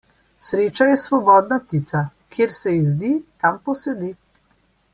Sreča je svobodna ptica; kjer se ji zdi, tam posedi.